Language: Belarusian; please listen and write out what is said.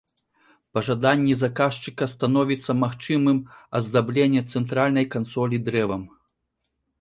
Па жаданні заказчыка становіцца магчымым аздабленне цэнтральнай кансолі дрэвам.